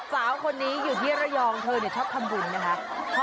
สาวคนนี้อยู่ที่ระยองเธอชอบทำบุญนะคะ